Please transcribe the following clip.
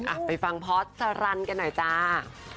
อ่ะไปฟังพอร์ตสรรกันหน่อยจ้า